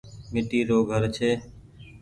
ميٽي رو گهر ڇي۔